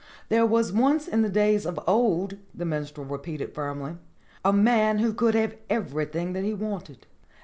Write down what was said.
"There was once in the days of old," the Minstrel repeated firmly, "a man who could have everything that he wanted.